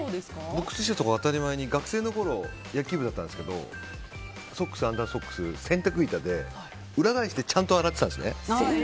僕、靴下とか当たり前に学生の頃野球部だったんですけどソックス、アンダーソックスを洗濯板で裏返してちゃんと洗ってたんですね。